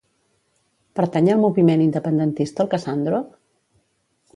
Pertany al moviment independentista el Cassandro?